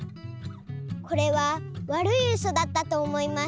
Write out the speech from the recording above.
これはわるいウソだったと思います。